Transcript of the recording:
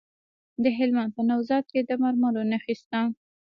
د هلمند په نوزاد کې د مرمرو نښې شته.